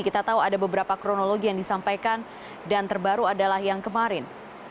kita tahu ada beberapa kronologi yang disampaikan dan terbaru adalah yang kemarin